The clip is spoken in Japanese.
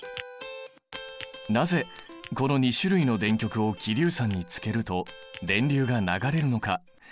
なぜこの２種類の電極を希硫酸につけると電流が流れるのか。